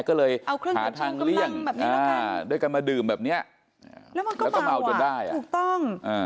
ก็เลยหาทางเลี่ยงด้วยกันมาดื่มแบบนี้แล้วก็เมาจนได้อ่ะถูกต้อง